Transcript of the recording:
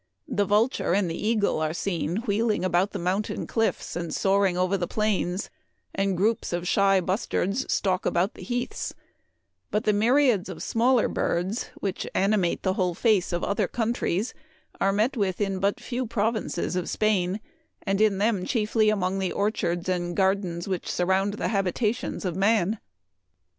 The vulture and the eagle are seen I Ling about the mountain cliffs, and soaring over the plains, and groups ot shy bustards stalk about the heaths ; but the myriads of smaller birds which animate the whole face of other countries are met with in but few prov inces ot Spain, and in them chiefly among the orchards and gardens which surround the hab itations of man.